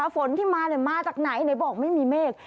ฝนที่มามาจากไหนไหนบอกไม่มีเมฆ